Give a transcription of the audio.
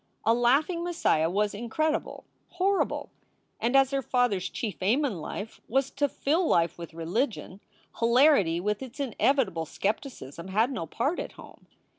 A laughing Messiah was incredible, horrible. And as her father s chief aim in life was to fill life with religion, hilarity with its inevitable skep ticism had no part at home.